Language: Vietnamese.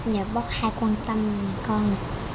giờ bác hay quan tâm con